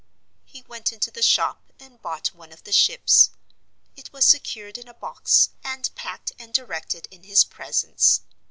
He went into the shop and bought one of the ships. It was secured in a box, and packed and directed in his presence.